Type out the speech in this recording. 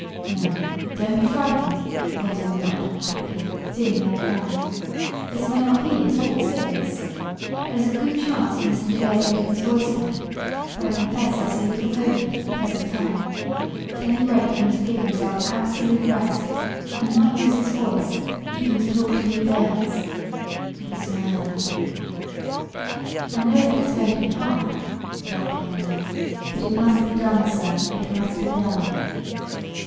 "Now, don't be frightened," went on the doctor quickly, seeing their alarm. "This may not be at all serious. There is a good chance of Mr. DeVere getting his voice back; but I confess I see little hope of it at the present time. At any rate he must give himself absolute rest, and not use his voice even to talk to you girls," and he smiled at them. "I know that is going to be hard," the doctor went on; "but it must be done sir, it must be done."